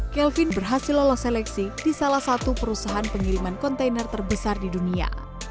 kelvin berhasil lolos seleksi di salah satu perusahaan pengiriman kontainer terbesar di dunia